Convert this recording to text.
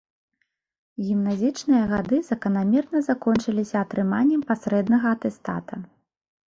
Гімназічныя гады заканамерна закончыліся атрыманнем пасрэднага атэстата.